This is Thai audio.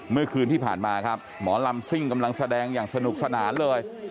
เมื่อคืนที่ผ่านมาครับหมอลำซิ่งกำลังแสดงอย่างสนุกสนานเลย